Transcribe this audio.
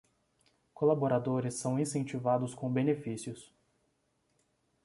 Colaboradores são incentivados com benefícios